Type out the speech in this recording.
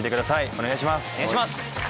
お願いします！